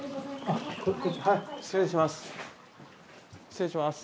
失礼します。